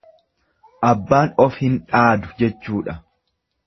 Abbaan of hin dhaadu jechuudha.